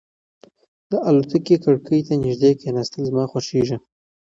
د الوتکې کړکۍ ته نږدې کېناستل زما خوښېږي.